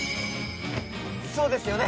そうですよね！